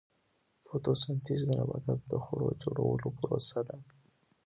فوتوسنتیز د نباتاتو د خوړو جوړولو پروسه ده